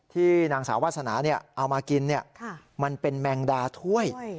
ที่นางสาววาสนาเอามากินมันเป็นแมงดาถ้วย